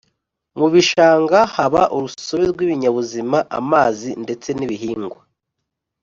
mu bishanga haba urusobe rw'ibinyabuzima, amazi ndetse n’ibihingwa